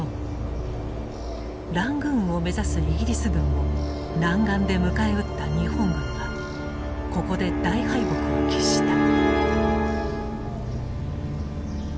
ラングーンを目指すイギリス軍を南岸で迎え撃った日本軍はここで大敗北を喫した。